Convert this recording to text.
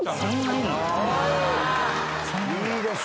いいですね。